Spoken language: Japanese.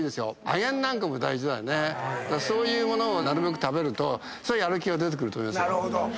そういう物をなるべく食べるとやる気が出てくると思いますよ。